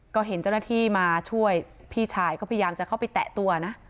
ก็เห็นเจ้าหน้าที่มาช่วยพี่ชายก็พยายามจะเข้าไปแตะตัวนะ